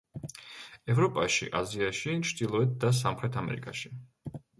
ევროპაში, აზიაში, ჩრდილოეთ და სამხრეთ ამერიკაში.